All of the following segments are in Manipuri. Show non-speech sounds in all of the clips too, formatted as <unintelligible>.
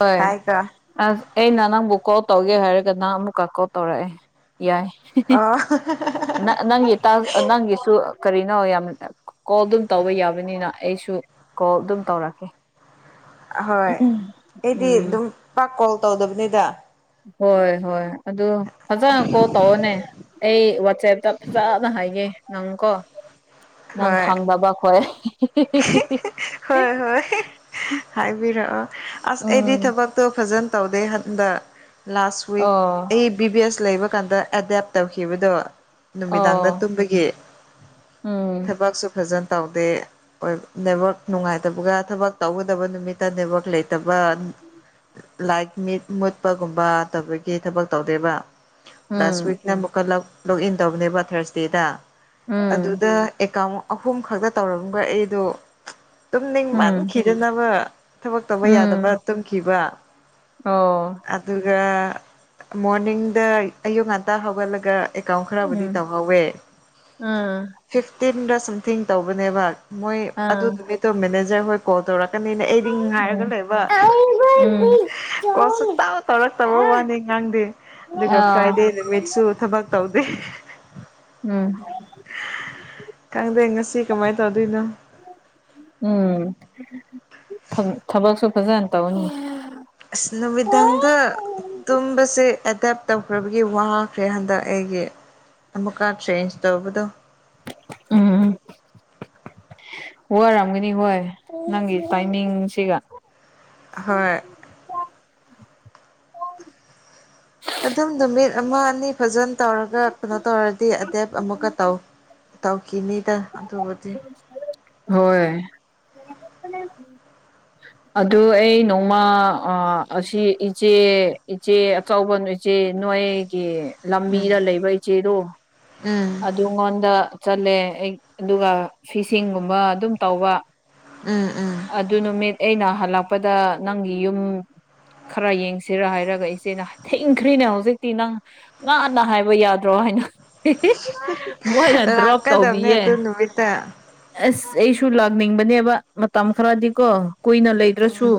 ꯍꯣꯏ ꯇꯥꯏꯀꯣ ꯑꯁ ꯑꯩꯅ ꯅꯪꯕꯨ ꯀꯣꯜ ꯇꯧꯒꯦ ꯍꯥꯏꯔꯒ ꯅꯪ ꯑꯃꯨꯛꯀ ꯀꯣꯜ ꯇꯧꯔꯛꯑꯦ ꯌꯥꯏ ꯑꯣ ꯅꯪꯒꯤ ꯅꯪꯒꯤꯁꯨ ꯀꯔꯤ ꯧ ꯌꯥꯝ ꯀꯣꯜ ꯑꯗꯨꯝ ꯇꯧꯕ ꯌꯥꯕꯅꯤꯅ ꯑꯩꯁꯨ ꯀꯣꯜ ꯑꯗꯨꯝ ꯇꯧꯔꯛꯀꯦ ꯍꯣꯏ ꯑꯩꯗꯤ ꯎꯝ ꯑꯗꯨꯝ ꯄꯥꯛ ꯀꯣꯜ ꯇꯧꯗꯕꯅꯤꯗ ꯍꯣꯏ ꯍꯣꯏ ꯑꯗꯨ ꯐꯖꯅ ꯀꯣ ꯇꯧꯔꯅꯦ ꯑꯩ ꯏꯁꯦꯞꯇ ꯐꯖꯅ ꯍꯥꯏꯒꯦ ꯅꯪ ꯀꯣ ꯅꯪ ꯍꯣꯏ ꯈꯪꯗꯕ ꯈꯣꯏ ꯍꯣꯏ ꯍꯣꯏ ꯍꯥꯏꯕꯤꯔꯛꯑꯣ ꯑꯁ ꯎꯝ ꯑꯩꯗꯤ ꯊꯕꯛꯇꯣ ꯐꯖꯅ ꯇꯧꯗꯦ ꯍꯟꯗ ꯂꯥꯁ ꯋꯤꯛ ꯑꯣ ꯑꯩ ꯕꯤ ꯕꯤ ꯑꯦꯁ ꯂꯩꯕ ꯀꯥꯟꯗ ꯑꯦꯗꯦꯞ ꯇꯧꯈꯤꯕꯗꯕ ꯅꯨꯃꯤꯗꯥꯡꯗ ꯑꯣ ꯇꯨꯝꯕꯒꯤ ꯎꯝ ꯊꯕꯛꯁꯨ ꯐꯖꯅ ꯇꯧꯗꯦ ꯅꯦꯠꯋꯥꯛ ꯅꯨꯡꯉꯥꯏꯇꯕꯒ ꯊꯕꯛ ꯇꯧꯒꯗꯕ ꯅꯨꯃꯤꯠꯇ ꯅꯦꯠꯋꯥꯛꯛ ꯂꯩꯇꯕ ꯂꯥꯏꯛ ꯃꯤꯠ ꯃꯨꯠꯄꯒꯨꯝꯕ ꯇꯧꯕꯒꯤ ꯊꯕꯛ ꯇꯧꯗꯦꯕ ꯂꯥꯁ ꯎꯝ ꯋꯤꯛꯅ ꯑꯃꯨꯛꯀ ꯂꯣꯛꯏꯟ ꯇꯧꯕꯅꯦꯕ ꯊꯥꯔꯁꯗꯦꯗ ꯎꯝ ꯑꯗꯨꯗ ꯑꯦꯀꯥꯎ ꯑꯍꯨꯝ ꯈꯛꯇ ꯇꯧꯔꯝꯕ ꯑꯩꯗꯣ ꯇꯨꯝꯅꯤꯡ ꯎꯝ ꯃꯥꯟꯈꯤꯗꯅꯕ ꯊꯕꯛ ꯇꯧꯕ ꯌꯥꯗꯕ ꯎꯝ ꯇꯨꯝꯈꯤꯕ ꯑꯣ ꯑꯗꯨꯒ ꯃꯣꯔꯅꯤꯡꯗ ꯑꯌꯨꯛ ꯉꯟꯇꯥ ꯍꯧꯒꯠꯂꯒ ꯑꯦꯀꯥꯎꯟ ꯈꯔꯕꯨꯗꯤ ꯎꯝ ꯇꯧꯍꯧꯋꯦ ꯎꯝ ꯐꯤꯐꯇꯤꯟꯗ ꯁꯝꯊꯤꯡ ꯇꯧꯕꯅꯦꯕ ꯃꯣꯏ ꯑꯥ ꯑꯗꯨꯃꯤ ꯇ ꯃꯦꯅꯦꯖꯔ ꯍ ꯀꯣ ꯇꯔ ꯇꯅꯤꯅ ꯑꯩꯗꯤ ꯉ ꯉꯥꯏꯔꯒ ꯂꯣꯏꯕ ꯑ ꯀꯣꯁꯨ ꯇꯥꯎ ꯇꯧꯔꯛꯇꯕ ꯋꯥꯅꯤ ꯉꯥꯡꯗꯦ ꯑꯗꯨꯒ ꯎꯝ ꯐ꯭ꯔꯥꯏꯗꯦ ꯅꯨꯃꯤꯠꯁꯨ ꯊꯕꯛ ꯇꯧꯗꯦ ꯎꯝ ꯈꯪꯗꯦ ꯉꯁꯤ ꯀꯃꯥꯏꯅ ꯇ ꯎꯝ ꯊꯕꯛꯁꯨ ꯐꯖꯅ ꯇꯧꯅꯤ ꯑꯁ ꯅꯨꯃꯤꯗꯥꯡꯗ ꯇꯨꯝꯕꯁꯦ ꯑꯦꯗꯦꯞ ꯇꯧꯈ꯭ꯔꯕꯒꯤ ꯋꯥꯈ꯭ꯔꯦ ꯍꯟꯗꯛ ꯑꯩ ꯑꯩ ꯑꯃꯨꯛꯀ ꯆꯦꯟꯖ ꯇꯧꯕꯗꯣ ꯎꯝ ꯋꯥꯔꯝꯒꯅꯤ ꯍꯣꯏ ꯅꯪꯒꯤ ꯇꯥꯏꯃꯤꯡꯁꯤꯒ ꯎꯝꯝ ꯍꯣꯏ ꯑꯗꯨꯝ ꯅꯨꯃꯤꯠ ꯑꯃ ꯑꯅꯤ ꯐꯖꯅ ꯇꯧꯔꯒ ꯀꯩꯅꯣ ꯇꯧꯔꯗꯤ ꯑꯗꯦꯞ ꯑꯃꯨꯛꯀ ꯇꯧ ꯇꯧꯈꯤꯅꯤꯗ ꯑꯗꯨꯕꯨꯗꯤ ꯍꯣꯏ ꯑꯗꯨ ꯑꯩ ꯅꯣꯡꯃ ꯑꯁꯤ ꯏꯆꯦ ꯏꯆꯦ ꯑꯆꯕ ꯏꯆꯦ ꯏꯆꯦ ꯅꯣꯏꯒꯤ ꯎꯝ ꯂꯝꯕꯤꯗ ꯂꯩꯕ ꯏꯆꯦꯗꯣ ꯎꯝ ꯑꯗꯨꯉꯣꯟꯗ ꯆꯠꯂꯦ ꯑꯗꯨꯒ ꯐꯤꯁꯤꯡꯒꯨꯝꯕ ꯑꯗꯨꯝ ꯇꯧꯕ ꯎꯝ ꯎꯝ ꯑꯗꯨ ꯅꯨꯃꯤꯠ ꯑꯩꯅ ꯍꯜꯂꯛꯄꯗ ꯅꯪꯒꯤ ꯌꯨꯝ ꯈꯔ ꯌꯦꯡꯁꯤꯔ ꯍꯥꯏꯔꯒ ꯏꯆꯦꯅ ꯊꯤꯡꯈ꯭ꯔꯤꯅꯦ ꯍꯧꯖꯤꯛꯇꯤ ꯅꯪ ꯉꯥꯟꯟꯅ ꯍꯥꯏꯕ ꯌꯥꯗ꯭ꯔꯣ ꯃꯣꯏꯅ ꯗ꯭ꯔꯣꯞ ꯂꯥꯛꯀꯗꯕꯅꯦ ꯇꯧꯕꯤꯌꯦ ꯑꯗꯨ ꯅꯨꯃꯤꯠꯇ ꯑꯁ ꯑꯩꯁꯨꯨ ꯂꯒꯅꯤꯡꯅꯦ ꯃꯇꯝ ꯈꯔꯗꯤ ꯀꯣ ꯀꯨꯏꯅ ꯂꯩꯗ꯭ꯔꯁꯨ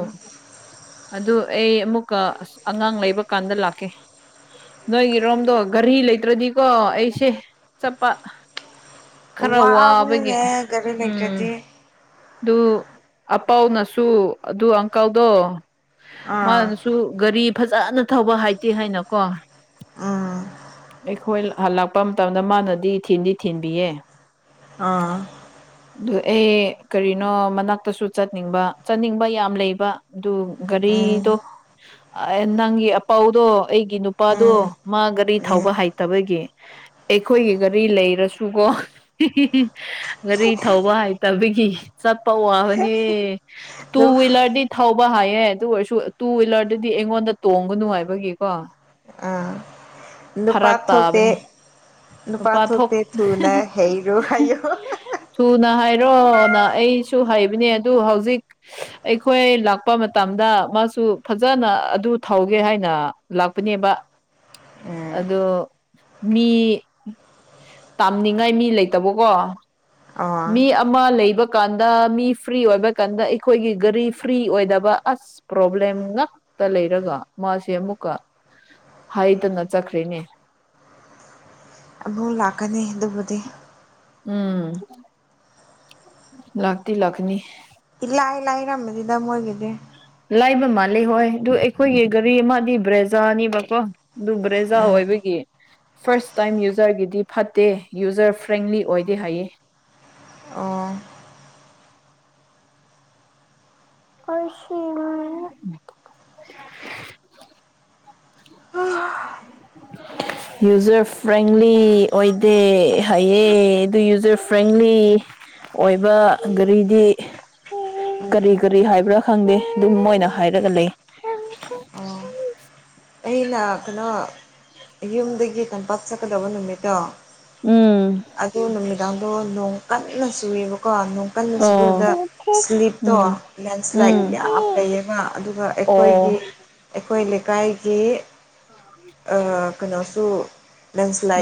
ꯑꯗꯨ ꯑꯩ ꯑꯃꯨꯛꯀ ꯑꯁ ꯑꯉꯥꯡ ꯂꯩꯕ ꯀꯥꯟꯗ ꯂꯥꯛꯀꯦ ꯅꯣꯏꯒꯤꯔꯣꯝꯗꯣ ꯘꯔꯤ ꯂꯩꯇ꯭ꯔꯗꯤꯀꯣ ꯑꯩꯁꯦ ꯆꯠꯄ ꯈꯔ ꯋꯥꯕꯒꯤ ꯋꯥꯕꯅꯤꯅꯦ ꯒꯥꯔꯤ ꯎꯝ ꯂꯩꯇ꯭ꯔꯗꯤ ꯑꯗꯨ ꯑꯄꯥꯎꯅꯁꯨ ꯑꯗꯨ ꯑꯪꯀꯜꯗꯣ ꯑꯥ ꯃꯥꯅꯁꯨ ꯒꯥꯔꯤ ꯐꯖꯅ ꯊꯧꯕ ꯍꯥꯏꯇꯦ ꯍꯥꯏꯅꯀꯣ ꯎꯝ ꯑꯩꯈꯣꯏ ꯍꯜꯂꯛꯄ ꯃꯇꯝꯗ ꯃꯥꯅꯗꯤ ꯏ ꯊꯤꯟꯗꯤ ꯊꯤꯟꯕꯤꯌꯦ ꯑꯥ ꯑꯗꯨ ꯑꯦ ꯀꯔꯤꯅꯣ ꯃꯅꯥꯛꯇꯁꯨ ꯆꯠꯅꯤꯡꯕ ꯆꯠꯅꯤꯡꯕ ꯌꯥꯝ ꯂꯩꯕ ꯑꯗꯨ ꯎꯝ ꯒꯥꯔꯤꯗꯣ ꯅꯪꯒꯤ ꯑꯄꯥꯎꯗꯣ ꯑꯩꯒꯤ ꯅꯨꯄꯥꯗꯣ ꯎꯝ ꯃꯥ ꯒꯥꯔꯤ ꯎꯝ ꯊꯥꯎꯕ ꯍꯩꯇꯕꯒꯤ ꯑꯩꯈꯣꯏꯒꯤ ꯒꯥꯔꯤ ꯂꯩꯔꯁꯨꯀꯣ ꯒꯥꯔꯤ ꯊꯧꯕ ꯍꯥꯏꯇꯕꯒꯤ ꯆꯞ ꯄꯧꯕꯅꯤ ꯇꯨ ꯑꯗꯨꯝ ꯍꯋꯤꯂꯔꯗꯤ ꯊꯧꯕ ꯍꯥꯏ ꯑꯦ ꯑꯗꯨ ꯑꯣꯏꯔꯁꯨ ꯇꯨ ꯍ꯭ꯋꯤꯂꯔꯗꯗꯤ ꯑꯩꯉꯣꯟꯗ ꯇꯣꯡꯒꯅꯨ ꯍꯥꯏꯕꯒꯤꯀꯣ ꯑꯥ ꯅꯨꯄꯥ ꯐꯔꯛ ꯇꯥꯕꯅꯦ ꯊꯣꯛꯇꯦ ꯅꯨꯄꯥ ꯄꯊꯣꯛ ꯊꯣꯛꯇꯦ ꯊꯨꯅ ꯍꯩꯔꯣ ꯍꯥꯏꯌꯣ ꯊꯨꯅ ꯍꯥꯏꯥꯏ ꯔꯣ ꯅ ꯑꯩꯁꯨ ꯍꯩꯕꯅꯦ ꯑꯗꯨ ꯍꯧꯖꯤꯛ ꯑꯩꯈꯣꯏ ꯂꯥꯛꯄ ꯃꯇꯝꯗ ꯑꯗꯨ ꯐꯖꯅ ꯑꯗꯨ ꯊꯧꯒꯦ ꯍꯥꯏꯅ ꯂꯥꯛꯄꯅꯦꯕ ꯎꯝ ꯑꯗꯣ ꯃꯤ ꯇꯥꯝꯅꯤꯡꯉꯥꯏ ꯃꯤ ꯂꯩꯇꯕꯀꯣ ꯑꯣ ꯃꯤ ꯑꯃ ꯂꯩꯕ ꯀꯥꯟꯗ ꯃꯤ ꯐ꯭ꯔꯤ ꯑꯣꯏꯕ ꯀꯥꯟꯗ ꯑꯩꯈꯣꯏꯒꯤ ꯒꯥꯔꯤ ꯐ꯭ꯔꯤ ꯑꯣꯏꯗꯕ ꯄ꯭ꯔꯣꯕ꯭ꯂꯦꯝ ꯉꯥꯛꯇ ꯂꯩꯔꯒ ꯃꯥꯁꯦ ꯑꯃꯨꯛꯀ ꯍꯥꯏꯇꯅ ꯆꯠꯈ꯭ꯔꯦꯅꯦ ꯑꯕꯧ ꯂꯥꯛꯀꯅꯤ ꯑꯗꯨꯕꯨꯗꯤ ꯎꯝ ꯂꯥꯛꯇ ꯂꯥꯛꯅꯤ ꯔꯃꯗꯤꯗ ꯃ ꯑꯣꯏꯒꯗꯤꯦ ꯂꯥꯏꯕ ꯃꯥꯜꯂꯤꯦ ꯍꯣꯏ ꯑꯗꯨ ꯑꯩꯈꯣꯏꯒꯤ ꯒꯥꯔꯤ ꯑꯃꯗꯤ ꯕ꯭ꯔꯦꯖꯥꯅꯤꯕꯀꯣ ꯑꯗꯨ ꯕ꯭ꯔꯦꯖꯥ ꯎꯝ ꯑꯣꯏꯕꯒꯤ ꯐꯥꯔꯁ ꯇꯥꯏꯝ ꯌꯨꯖꯔꯒꯤꯗꯤ ꯐꯠꯇꯦ ꯌꯨꯖꯔ ꯐ꯭ꯔꯦꯟꯂꯤ ꯑꯣꯏꯗꯦ ꯍꯥꯏꯌꯦ ꯑꯣ ꯑꯩꯁꯤ <inaudible> ꯌꯨꯖꯔ ꯐ꯭ꯔꯦꯡꯂꯤ ꯑꯣꯏꯗꯦ ꯍꯥꯏꯌꯦ ꯑꯗꯨ ꯌꯨꯖꯔ ꯐ꯭ꯔꯦꯡꯂꯤ ꯑꯣꯏꯕ ꯒꯥꯔꯤꯗꯤ ꯀꯔꯤ ꯀꯔꯤ ꯍꯥꯏꯕ꯭ꯔꯥ ꯈꯪꯗꯦ ꯑꯗꯨꯝꯅ ꯍꯥꯏꯔꯒ ꯂꯩ ꯑꯗꯨꯩꯅꯣ ꯌꯨꯝꯗꯒꯤ ꯀꯝꯄꯥꯛ ꯆꯠꯀꯗꯕ ꯅꯨꯃꯤꯠꯇꯣ ꯎꯝ ꯑꯗꯨ ꯅꯨꯃꯤꯗꯥꯡꯗꯣ ꯅꯣꯡ ꯀꯟꯅ ꯆꯨꯏꯕ ꯀꯣ ꯣꯡꯀꯜ ꯁꯕꯗ ꯑꯣ ꯁ꯭ꯂꯤꯞꯇꯣ ꯎꯝ ꯂꯦꯟꯁ꯭ꯂꯥꯏꯠ ꯎꯝ ꯌꯥꯝ ꯂꯩꯌꯦꯕ ꯑꯗꯨꯒ ꯑꯩꯈꯣꯏꯒꯤ ꯑꯣ ꯑꯩꯈꯣꯏ ꯂꯩꯀꯥꯏ ꯀꯩꯅꯣꯁꯨ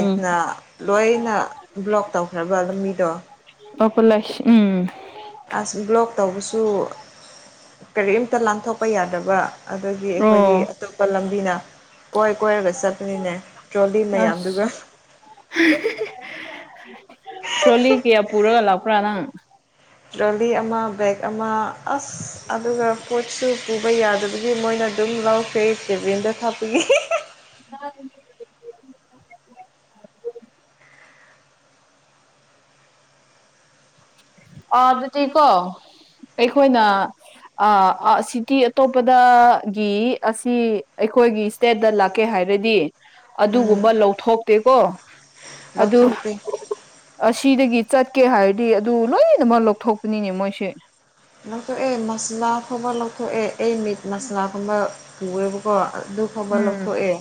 ꯎꯝ ꯂꯣꯏꯅ ꯕ꯭ꯂꯣꯛ ꯇꯧꯈ꯭ꯔꯕ ꯂꯝꯕꯤꯗꯣ ꯑꯣꯄ ꯂꯁ ꯎꯝ ꯑꯁ ꯕ꯭ꯂꯣꯛ ꯇꯧꯕꯁꯨ ꯀꯔꯤꯝꯇ ꯂꯥꯟꯊꯣꯛꯄ ꯌꯥꯗꯕ ꯑꯗꯒꯤ ꯑꯩꯈꯣꯏꯗꯤ ꯑꯣ ꯑꯇꯣꯞꯄ ꯂꯝꯕꯤꯅ ꯀꯣꯏ ꯀꯣꯏꯔꯒ ꯆꯠꯄꯅꯤꯅꯦ ꯇ꯭ꯔꯣꯂꯤ ꯃꯌꯥꯝꯗꯨꯒ ꯑꯁ ꯇ꯭ꯔꯣꯂꯤ ꯀꯌꯥ ꯄꯨꯔꯒ ꯂꯥꯛꯄ꯭ꯔꯥ ꯅꯪ ꯇ꯭ꯔꯣꯂꯤ ꯑꯃ ꯕꯒ ꯑꯃ ꯑꯁ ꯑꯗꯨꯒ ꯄꯣꯠꯁꯨ ꯄꯨꯕ ꯌꯥꯗꯕꯒꯤ ꯃꯣꯏꯅ ꯑꯗꯨꯝ ꯂꯧꯈ꯭ꯔꯦ ꯀꯦꯚꯦꯟꯗ ꯊꯞꯄꯒꯤ ꯑ ꯑ ꯑꯗꯨ ꯊꯀꯣ ꯑꯩꯈꯣꯏꯅ ꯁꯤꯇ ꯑꯇꯣꯞꯄꯗꯒꯤ ꯑꯁꯤ ꯑꯩꯈꯣꯏꯒꯤ ꯏꯁꯇꯦꯠꯇ ꯂꯥꯛꯀꯦ ꯍꯥꯏꯔꯗꯤ ꯑꯗꯨꯒꯨꯝꯕ ꯂꯧꯊꯣꯛꯇꯦꯀꯣ ꯑꯗꯨ ꯂꯧꯊꯣꯛꯄꯤꯦ ꯑꯁꯤꯗꯒꯤ ꯆꯠꯀꯦ ꯍꯥꯏꯔꯗꯤ ꯑꯗꯨ ꯂꯣꯏꯅꯃꯛ ꯂꯧꯊꯣꯛꯄꯅꯤꯅꯦ ꯃꯣꯏꯁꯦ ꯂꯧꯣ ꯑꯦ ꯃꯁꯂꯥ ꯐꯕ ꯂꯧꯀꯣ ꯑꯦ ꯃꯤꯠ ꯃꯁꯂꯥ ꯈꯕ ꯄꯨꯦꯕ ꯀꯣ ꯗꯨꯈ ꯍꯕ ꯎꯝ ꯂꯧꯈꯣꯑꯦ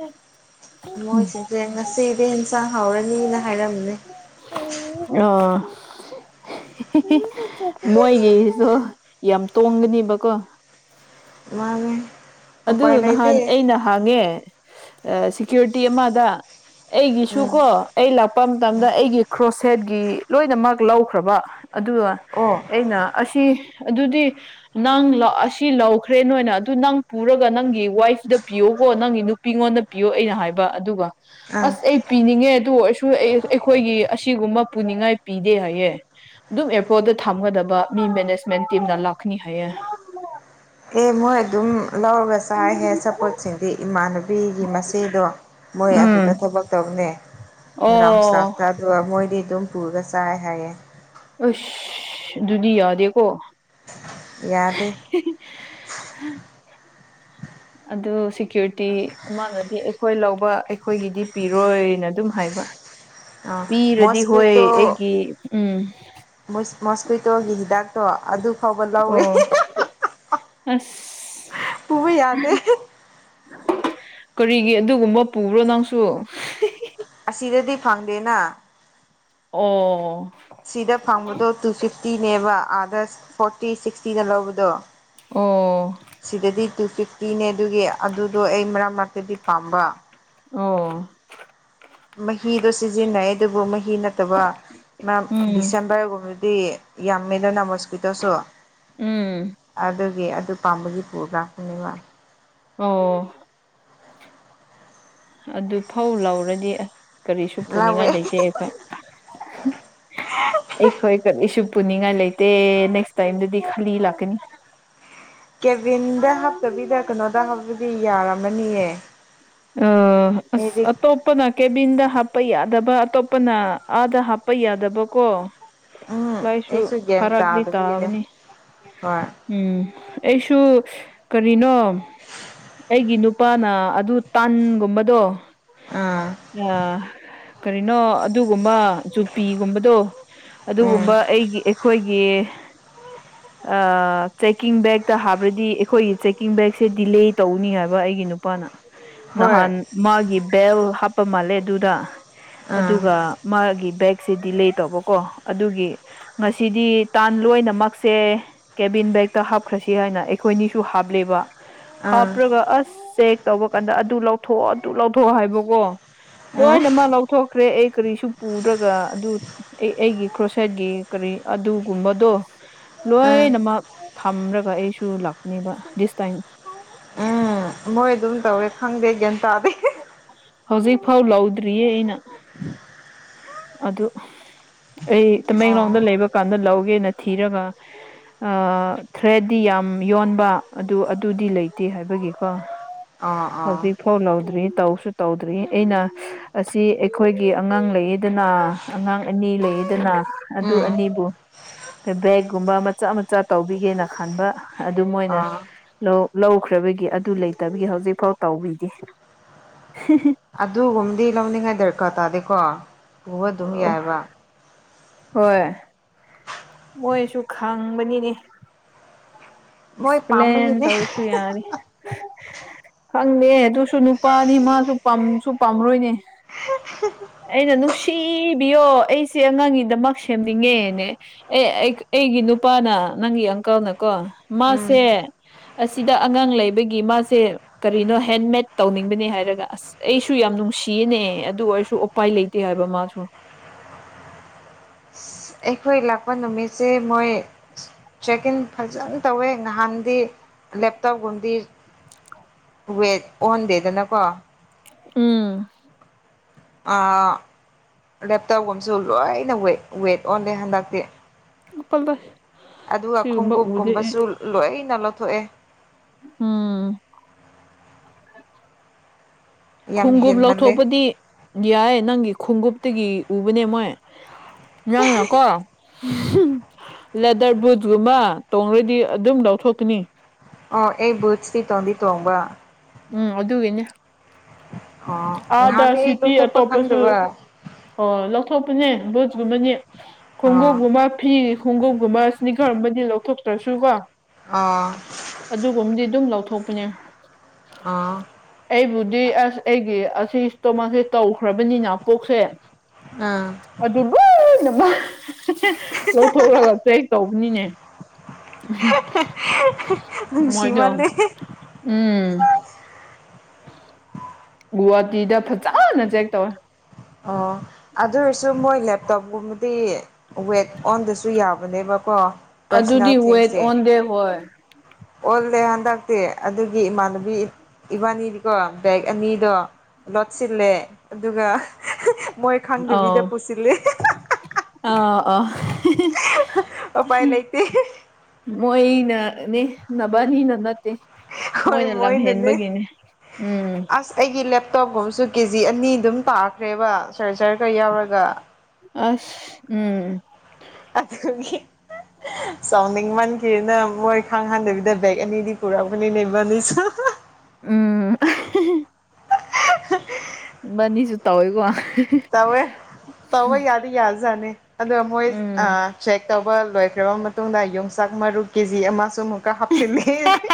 ꯎꯝ ꯃꯣꯏꯁꯤꯡꯁꯦ ꯉꯁꯤꯗꯤ ꯑꯦꯟꯁꯥꯡ ꯍꯥꯎꯔꯅꯤꯅ ꯍꯥꯏꯔꯝꯕꯅꯤ ꯑꯣ <unintelligible> ꯃꯣꯏꯒꯤꯁꯨ ꯌꯥꯝ ꯇꯣꯡꯒꯅꯦꯕꯀꯣ ꯃꯥꯅꯦ ꯑꯗꯨ ꯎꯄꯥꯏ ꯅꯍꯥꯟ ꯂꯩꯇꯦ ꯑ ꯅꯍꯥꯡꯉꯦ ꯁꯤꯦꯀ꯭ꯌꯨꯔꯤꯇꯤ ꯑꯃꯗ ꯑꯩꯒꯤꯁꯨꯨ ꯎꯝ ꯀꯣ ꯑꯩ ꯂ ꯂꯄ ꯃꯇꯝꯗ ꯑꯩꯒꯤ ꯀ꯭ꯔꯣꯁꯦꯠꯀꯤ ꯂꯣꯏꯅꯃꯛ ꯂꯧꯈ꯭ꯔꯕ ꯑꯗꯨꯒ ꯑꯣ ꯑꯩꯅ ꯑꯗꯨꯗꯤ ꯅꯪ ꯑꯁꯤ ꯂꯧꯈ꯭ꯔꯦ ꯅꯣꯏꯅ ꯑꯗꯨ ꯅꯪ ꯄꯨꯔꯒ ꯅꯪꯒꯤ ꯋꯥꯏꯐꯇ ꯄꯤꯌꯣꯀꯣ ꯅꯪꯒꯤ ꯅꯨꯄꯤꯉꯣꯟꯗ ꯄꯤꯌꯣ ꯑꯩꯅ ꯍꯥꯏꯕ ꯑꯗꯨꯒ ꯑꯥ ꯑꯁ ꯑꯩ ꯄꯤꯅꯤꯡꯉꯦ ꯑꯗꯨ ꯑꯣꯏꯔꯁꯨ ꯑꯩꯈꯣꯏꯒꯤ ꯑꯁꯤꯒꯨꯝꯕ ꯄꯨꯅꯤꯡꯉꯥꯏ ꯄꯤꯗꯦ ꯍꯥꯏꯌꯦꯦ ꯑꯗꯨꯝ ꯑꯦꯔꯄꯣꯔꯠꯇ ꯊꯝꯒꯗꯕ ꯃꯤ ꯃꯦꯅꯦꯖꯃꯦꯟ ꯇꯤꯝꯅ ꯂꯥꯛꯀꯅꯤ ꯍꯥꯏꯌꯦ ꯑꯦ ꯃꯣꯏ ꯑꯗꯨꯝ ꯂꯧꯔꯒ ꯆꯥꯏꯍꯦ ꯁꯞꯄꯣꯠꯁꯤꯡꯗꯤ ꯏꯃꯥꯟꯅꯕꯤ ꯅꯨꯄꯤꯒꯤ ꯃꯆꯦꯗꯣ ꯃꯣꯏ ꯎꯝ ꯑꯗꯨꯗ ꯊꯕꯛ ꯇꯧꯅꯦ ꯒ꯭ꯔꯥꯎꯟꯁꯥꯛꯇ ꯑꯣ ꯑꯗꯨꯒ ꯃꯣꯏ ꯗꯤ ꯑꯗꯨꯝ ꯄꯨꯔꯒ ꯆꯥꯏ ꯍꯥꯏꯌꯦꯦ ꯑꯁ ꯑꯗꯨꯗꯨꯗꯤ ꯌꯥꯗꯦꯀꯣ ꯌꯥꯗꯦ ꯎꯝ ꯑꯗꯨ ꯁꯤꯦꯀ꯭ꯌꯨꯔꯤꯇꯤ ꯃꯥꯅꯗꯤ ꯑꯩꯈꯣꯏ ꯂꯧꯕ ꯑꯩꯈꯣꯏꯒꯤꯗꯤ ꯄꯤꯔꯣꯏꯅ ꯑꯗꯨꯝ ꯍꯥꯏꯕ ꯑ ꯄꯤꯔꯗꯤ ꯍꯣꯏ ꯑꯩꯒꯤ ꯎꯝ ꯃꯣꯁꯀ꯭ꯋꯇꯣꯒꯤ ꯍꯤꯗꯥꯛꯇꯣ ꯑꯗꯨ ꯐꯥꯎꯕ ꯂꯧꯏꯤ ꯑꯣ ꯑꯁ ꯄꯨꯕ ꯌꯥꯗꯦ ꯀꯔꯤꯒꯤ ꯑꯗꯨꯒꯨꯝꯕ ꯄꯨꯕ꯭ꯔꯣ ꯅꯪꯁꯨ ꯑꯁꯤꯗꯗꯤ ꯐꯪꯗꯦꯅ ꯑꯣ ꯁꯤꯗ ꯐꯪꯕꯗꯣ ꯇꯨ ꯐꯤꯐꯇꯤꯅꯦꯕ ꯑꯥꯗꯁ ꯐꯣꯔꯇꯤ ꯁꯤꯛꯁꯇꯤꯅ ꯂꯧꯕꯗꯣ ꯑꯣꯥ ꯁꯤꯗꯗꯤ ꯇꯨ ꯐꯤꯐꯇꯤꯅꯦ ꯑꯗꯨꯒꯤ ꯑꯗꯨꯗꯣ ꯑꯩ ꯃꯔꯛ ꯃꯔꯅꯥꯛꯇꯗꯤ ꯄꯥꯝꯕ ꯑꯣ ꯃꯍꯤꯗꯣ ꯁꯤꯖꯤꯟꯅꯩ ꯑꯗꯨꯕꯨ ꯃꯍꯤ ꯅꯠꯇꯕ ꯎꯝ ꯗꯤꯁꯦꯝꯕꯔꯒꯨꯝꯕꯗꯤ ꯌꯥꯝꯃꯦꯗꯣ ꯅꯃꯁꯀꯠꯇꯁꯨ ꯎꯝ ꯑꯗꯨ ꯑꯗꯨ ꯄꯥꯝꯕꯒꯤ ꯐꯣꯒ꯭ꯔꯥꯐꯨꯅꯦꯕ ꯑꯣ ꯑꯗꯨ ꯐꯧ ꯂꯧꯔꯗꯤ ꯑꯁ ꯀꯔꯤꯁꯨ ꯄꯨꯅꯤꯡꯉꯥꯏ ꯂꯧꯋꯦ ꯂꯩꯇꯦ ꯑꯩꯈꯣꯏ ꯑꯩꯈꯣꯏ ꯀꯔꯤꯁꯨ ꯄꯨꯅꯤꯡꯉꯥꯏ ꯂꯩꯇꯦ ꯅꯦꯛꯁ ꯇꯥꯏꯝꯗꯗꯤ ꯈꯂꯤ ꯂꯥꯛꯀꯅꯤ ꯀꯦꯚꯟꯗ ꯍꯥꯞꯇꯕꯤꯗ ꯀꯩꯅꯣꯗ ꯍꯥꯞꯄꯤꯗꯤ ꯌꯥꯔꯝꯃꯅꯤꯌꯦ ꯑ ꯑ ꯑꯩꯗꯤ ꯑꯇꯣꯞꯄꯅ ꯀꯦꯕꯤ ꯍꯥ ꯍꯥꯞꯄ ꯌꯥꯗꯕ ꯑꯇꯣꯞꯄꯅ ꯑꯥꯗ ꯍꯥꯞꯄ ꯌꯥꯗꯕꯀꯣ ꯎꯝ ꯂꯥꯏꯁꯨ ꯑꯩꯁꯨ ꯒ꯭ꯌꯥꯟ ꯐꯔꯗꯤ ꯇꯥꯗꯕꯒꯤꯅꯦ ꯇꯥꯕꯅꯤ ꯍꯣꯏ ꯎꯝ ꯑꯩꯁꯨ ꯀꯔꯤꯅꯣ ꯑꯩꯒꯤ ꯅꯨꯄꯥꯅ ꯑꯗꯨ ꯇꯟꯒꯨꯝꯕꯗꯣ ꯎꯝ ꯀꯔꯤꯅꯣ ꯑꯗꯨꯒꯨꯝꯕ ꯌꯨꯄꯤꯒꯨꯝꯕꯗꯣ ꯎꯝ ꯑꯗꯨꯒꯨꯝꯕ ꯑꯩꯒꯤ ꯑꯩꯈꯣꯏꯒꯤ <inaudible> ꯆꯦꯛꯀꯤꯡ ꯕꯦꯒꯛꯇ ꯍꯥꯕ꯭ꯔꯗꯤ ꯑꯩꯈꯣꯏꯒꯤ ꯆꯦꯛꯀꯤꯡ ꯕꯦꯒꯁꯦ ꯗꯤꯂꯦ ꯇꯧꯅꯤ ꯍꯥꯏꯕ ꯑꯩꯒꯤ ꯅꯨꯄꯥꯅ ꯍꯣꯏ ꯅꯍꯥꯟ ꯃꯥꯒꯤ ꯕꯦꯜ ꯍꯥꯞꯄ ꯃꯥꯜꯂꯦ ꯑꯗꯨꯗ ꯎꯝ ꯑꯗꯨꯒ ꯃꯥꯒꯤ ꯕꯦꯒꯁꯤꯗꯤ ꯂꯩ ꯇꯧꯕꯀꯣ ꯑꯗꯨꯒꯤ ꯉꯁꯤꯗꯤ ꯇꯥꯟ ꯂꯣꯏꯅꯃꯛꯁꯦ ꯀꯦꯕꯤꯟ ꯕꯦꯒꯛꯇ ꯍꯥꯞꯈ꯭ꯔꯁꯤ ꯍꯥꯏꯅ ꯑꯩꯈꯣꯏꯅꯤꯁꯨ ꯍꯥꯞꯂꯦꯕ ꯎꯝ ꯍꯥꯞꯄ꯭ꯔꯒ ꯑꯁ ꯆꯦꯛ ꯇꯧꯕ ꯀꯥꯟꯗ ꯑꯗꯨ ꯂꯧꯊꯣꯛꯑꯣ ꯑꯗꯨ ꯂꯧꯊꯣꯛꯑꯣ ꯍꯥꯏꯕꯀꯣ ꯎꯝ ꯂꯣꯏꯅ ꯃꯥ ꯂꯧꯊꯣꯛꯈ꯭ꯔꯦ ꯑꯩ ꯀꯔꯤꯁꯨ ꯄꯨꯗ꯭ꯔꯒ ꯑꯗꯨ ꯑꯩ ꯑꯩꯒꯤ ꯀ꯭ꯔꯣꯁꯥꯏꯠꯒꯤ ꯀꯔꯤ ꯑꯗꯨꯒꯨꯝꯕꯗꯣ ꯎꯝ ꯂꯣꯏꯅꯃꯛ ꯊꯝꯔꯒ ꯑꯩꯁꯨ ꯂꯥꯛꯅꯦꯕ ꯗꯤꯁ ꯇꯥꯏꯝ ꯎꯝ ꯃꯣꯏ ꯑꯗꯨꯝ ꯇꯧꯋꯦ ꯈꯪꯗꯦ ꯒ꯭ꯌꯥꯟ ꯇꯥꯗꯦ ꯍꯧꯖꯤꯛ ꯐꯥꯎ ꯂꯧꯗ꯭ꯔꯤꯌꯦ ꯑꯩꯅ ꯑꯗꯨ ꯑꯩ ꯑꯥ ꯇꯃꯦꯡꯂꯣꯡꯗ ꯂꯩꯕ ꯀꯥꯟꯗ ꯂꯧꯒꯦꯅ ꯊꯤꯔꯒ ꯊ꯭ꯔꯦꯠꯗꯤ ꯌꯥꯝ ꯌꯣꯟꯕ ꯑꯗꯨ ꯑꯗꯨꯗꯤ ꯂꯩꯇꯦ ꯍꯥꯏꯕꯒꯤꯀꯣ ꯑꯥ ꯑꯥ ꯇꯧꯗ꯭ꯔꯤ ꯇꯧꯁꯨ ꯇꯧꯗ꯭ꯔꯤ ꯑꯩꯅ ꯑꯁꯤ ꯑꯩꯈꯣꯏꯒꯤ ꯑꯉꯥꯡ ꯂꯩꯔꯤꯗꯅ ꯑꯉꯥꯡ ꯑꯅꯤ ꯑꯅꯤ ꯂꯩꯌꯦꯗꯅ ꯑꯗꯨ ꯎꯝ ꯑꯅꯤꯕꯨ ꯑ ꯕꯦꯒꯒꯨꯝꯕ ꯃꯆꯥ ꯃꯆꯥ ꯇꯧꯕꯤꯒꯦꯅ ꯈꯟꯕ ꯑꯗꯨ ꯃꯣꯏꯅ ꯑꯥ ꯂꯧ ꯂꯧꯈ꯭ꯔꯕꯒꯤ ꯑꯗꯨ ꯂꯩꯇꯕꯒꯤ ꯍꯧꯖꯤꯛꯐꯥꯎ ꯇꯧꯕꯤꯗꯦ ꯍ ꯑꯗꯨꯒꯨꯝꯕꯗꯤ ꯂꯧꯅꯤꯡꯉꯥꯏ ꯗꯔꯀꯥꯔ ꯇꯥꯗꯦꯀꯣ ꯎꯕ ꯑꯗꯨꯝ ꯌꯥꯏꯕ ꯍꯣꯏ ꯃꯣꯏꯁꯨ ꯈꯪꯕꯅꯤꯅꯦ ꯃꯣꯏ ꯑꯦꯛꯁꯄ꯭ꯂꯦꯟ ꯄꯥꯝꯕꯒꯤꯅꯦ ꯇꯧꯔꯁꯨ ꯌꯥꯅꯤꯦ ꯈꯪꯗꯦ ꯑꯗꯨꯁꯨ ꯅꯨꯄꯥꯅꯤ ꯃꯥꯁꯨꯁꯨ ꯄꯥꯝꯔꯣꯏꯅꯦ <inaudible> ꯑꯩꯅ ꯅꯨꯡꯁꯤꯕꯤꯌꯣ ꯑꯩꯁꯦ ꯑꯉꯥꯡꯒꯤꯗꯃꯛ ꯁꯦꯝꯅꯤꯡꯉꯦꯅꯦ ꯑꯦꯒꯤ ꯅꯨꯄꯥꯅ ꯅꯪꯒꯤ ꯑꯪꯀꯜꯅ ꯀꯣ ꯎꯝ ꯃꯥꯁꯦ ꯑꯁꯤꯗ ꯑꯉꯥꯡ ꯂꯩꯕꯒꯤ ꯃꯥꯁꯦ ꯀꯔꯤꯅꯣ ꯍꯦꯟꯃꯦꯗ ꯇꯧꯅꯤꯡꯕꯅꯦ ꯍꯥꯏꯔꯒ ꯑꯁ ꯑꯩꯁꯨ ꯌꯥꯝ ꯅꯨꯡꯁꯤꯌꯦꯅꯦ ꯑꯗꯨ ꯑꯣꯏꯔꯁꯨ ꯎꯄꯥꯏ ꯂꯩꯇꯦ ꯍꯥꯏꯕ ꯃꯥꯁꯨ ꯑꯦꯈꯣꯏ ꯏꯂꯀꯅ ꯅꯃꯤꯁ ꯃꯣꯏ ꯆꯦꯛ ꯏꯟ ꯐꯖꯅ ꯇꯧꯋꯦ ꯅꯍꯥꯟꯗꯤ ꯂꯦꯞꯇꯣꯞꯒꯨꯝꯗꯤ ꯍꯦ ꯑꯣꯟꯗꯦꯗꯅ ꯀꯣ ꯎꯝ ꯂꯦꯞꯇꯣꯞꯒꯨꯝꯕꯁꯨ ꯂꯣꯏꯅ ꯋ ꯋꯦꯠ ꯑꯣꯟꯂꯦ ꯍꯟꯗꯛꯇꯤ ꯎꯜꯗ ꯑꯗꯨꯒ ꯈꯣꯡꯎꯞꯒꯨꯝꯕꯁꯨ ꯂꯣꯏꯅ ꯂꯧꯊꯣꯛꯑꯦ ꯎꯝ ꯌꯥꯝ ꯈꯣꯡꯎꯞ ꯍꯦꯟꯃꯜꯂꯦ ꯂꯧꯊꯣꯛꯄꯗꯤ ꯌꯥꯏꯦ ꯅꯪꯒꯤ ꯈꯣꯡꯎꯞꯇꯒꯤ ꯎꯕꯅꯦ ꯃꯣꯏ ꯌꯥꯥꯡꯅꯀꯣ ꯂꯦꯗꯔ ꯕꯨꯠꯀꯨꯝꯕ ꯇꯣꯡꯈ꯭ꯔꯗꯤ ꯑꯗꯨꯝ ꯂꯧ ꯊꯣꯛꯣꯛꯄꯅꯤ ꯑꯣ ꯑꯩ ꯕꯨꯠꯁꯇꯤ ꯇꯣꯗꯤꯤ ꯇꯣꯡꯕ ꯎꯝ ꯑꯗꯨꯒꯅꯦ ꯑꯣ ꯑꯥꯗ ꯅꯍꯥꯟꯗꯤ ꯑꯩ ꯁꯤꯇꯤ ꯂꯧꯊꯣꯛꯄ ꯑꯇꯣꯞꯄꯁꯨ ꯈꯪꯗꯕ ꯑꯣ ꯂꯧꯊꯣꯛ ꯅꯦ ꯕꯣꯠꯀꯨꯝꯕꯅꯦ ꯑꯣ ꯈꯣꯡꯒꯞꯒꯨꯝꯕ ꯐꯤ ꯈꯣꯡꯎꯞꯒꯨꯝꯕ ꯁꯅꯤꯈꯔꯕꯗꯤ ꯂꯧꯊꯣꯛꯇ꯭ꯔꯁꯨꯀꯣ ꯑꯣ ꯑꯗꯨꯒꯨꯝꯕꯗꯤ ꯑꯗꯨꯝ ꯂꯧꯊ ꯊꯣꯄꯅꯤ ꯑꯣ ꯑꯩ ꯕꯨꯙꯤ ꯑꯁ ꯑꯩ ꯑꯁꯤ ꯇꯣ ꯃꯥꯁꯦ ꯇꯧꯈ꯭ꯔꯕꯅꯤꯅ ꯄꯣꯛꯁꯦ ꯑꯥ ꯑꯗꯨ ꯂꯣꯏꯅꯃꯛ ꯂꯧꯊꯣꯛꯂꯒ ꯆꯦꯛ ꯇꯧꯕꯅꯤꯅꯦ ꯃꯖꯣ ꯅꯨꯡꯁꯤꯃꯜꯂꯦ ꯎꯝ ꯒꯨꯍꯥꯇꯤꯗ ꯐꯖꯅ ꯆꯦꯛ ꯇꯧꯋꯦ ꯑꯣ ꯑꯗꯨ ꯑꯣꯏꯔꯁꯨ ꯃꯣꯏ ꯂꯦꯞꯇꯣꯞꯒꯨꯝꯕꯗꯤ ꯋꯦꯠ ꯑꯣꯟꯗꯁꯨ ꯌꯥꯕꯅꯦꯕꯀꯣ ꯄꯔꯁꯣꯅꯦꯜ ꯑꯗꯨꯗꯤ ꯍꯏ ꯊꯤꯡꯁꯁꯦ ꯑꯣꯟ ꯗꯦ ꯍꯣꯏ ꯑꯣꯜꯂꯦ ꯍꯟꯗꯛꯇꯤ ꯑꯗꯨꯒꯤ ꯏꯃꯥꯟꯅꯕꯤ ꯏꯕꯥꯅꯤꯗꯤꯀꯣ ꯕꯦꯛ ꯑꯅꯤꯗꯣ ꯂꯣꯠꯁꯤꯜꯂꯦ ꯑꯗꯨꯒ ꯃꯣꯏ ꯑꯥꯎ ꯈꯪꯗꯕꯤꯗ ꯄꯨꯁꯤꯜꯂꯦ ꯑ ꯎꯄꯥꯏ ꯂꯩꯇꯦ ꯃꯣꯏꯅꯅꯦ ꯅꯅꯕꯅꯤꯅ ꯅꯠꯇꯦ ꯍꯣꯏ ꯃꯣꯏꯅ ꯃꯣꯏꯅꯅꯦ ꯂꯝꯍꯦꯟꯕꯒꯤꯅꯤ ꯎꯝ ꯑꯁ ꯑꯩꯒꯤ ꯂꯦꯞꯇꯣꯞꯒꯨꯝꯁꯨ ꯀꯦꯖꯤ ꯑꯅꯤ ꯑꯗꯨꯝ ꯇꯥꯈ꯭ꯔꯦꯕ ꯁꯔ ꯁꯔꯒ ꯌꯥꯎꯔꯒ ꯑꯁ ꯎꯝ ꯁꯥꯎꯗꯤ ꯃ ꯀꯦꯅ ꯃꯣꯏ ꯈꯥꯡꯍꯟꯗꯕꯤꯗ ꯕꯦꯛ ꯑꯅꯤꯗꯤ ꯄꯨꯔꯛꯒꯅꯤꯅꯦꯕꯅꯤꯁꯨ ꯎꯝ ꯃꯅꯤꯁꯨ ꯇꯧꯋꯦꯀꯣ ꯎꯝ ꯇꯧꯋꯦ ꯇꯧꯕ ꯌꯥꯗꯤ ꯌꯥꯖꯥꯠꯅꯤ ꯑꯗꯣ ꯃꯣꯏ ꯆꯦꯛ ꯇꯧꯕ ꯂꯣꯏꯈ꯭ꯔꯕ ꯃꯇꯨꯡꯗ ꯌꯣꯡꯆꯥꯛ ꯃꯔꯨ ꯀꯦꯖꯤ ꯑꯃꯁ ꯁꯨ ꯍꯥꯞꯁꯤ ꯂꯩꯈ